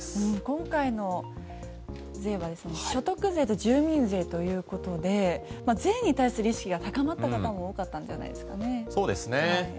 今回は所得税と住民税ということで税に対する意識が高まった方も多かったんじゃないですかね。